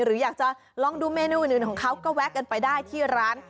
หรืออยากจะลองดูเมนูอื่นของเขาก็แวะกันไปได้ที่ร้าน